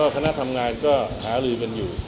คณะทำงานก็หาลือกันอยู่